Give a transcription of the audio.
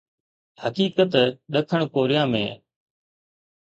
حقيقت ڏکڻ ڪوريا ۾.